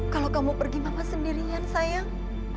kalau kamu pergi mama sendirian sayang